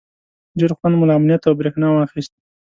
ډېر خوند مو له امنیت او برېښنا واخیست.